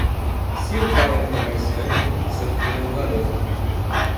Se o pai é um comerciante, seu filho é um garoto.